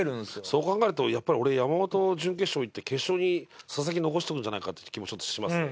そう考えるとやっぱり俺山本準決勝いって決勝に佐々木残しとくんじゃないかっていう気もしますね。